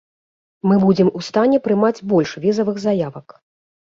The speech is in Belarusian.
Мы будзем у стане прымаць больш візавых заявак.